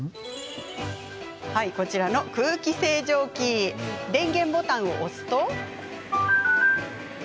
こちらの空気清浄機電源ボタンを押すと。